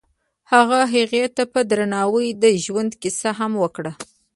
هغه هغې ته په درناوي د ژوند کیسه هم وکړه.